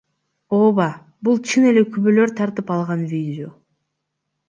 Ооба, бул чын эле күбөлөр тартып алган видео.